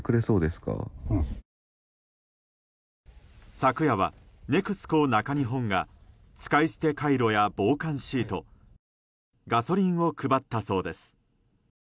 昨夜はＮＥＸＣＯ中日本が使い捨てカイロや防寒シートガソリンを配ったそうです。